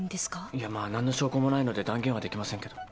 いやまあ何の証拠もないので断言はできませんけど。